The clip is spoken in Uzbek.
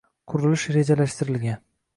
qurilish rejalashtirilgan